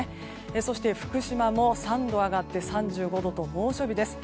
そして、福島も３度上がって３５度と猛暑日です。